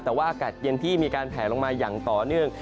แต่ว่าอากาศเย็นที่มีการแผลลงมาอย่างต่อเนื่อง